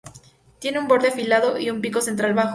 Tiene un borde afilado y un pico central bajo.